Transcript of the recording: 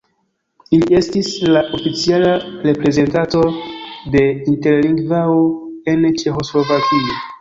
Il estis la oficiala reprezentanto de Interlingvao en Ĉeĥoslovakio.